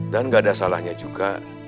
dan gak ada salahnya juga